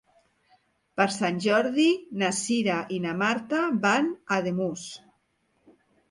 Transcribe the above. Per Sant Jordi na Cira i na Marta van a Ademús.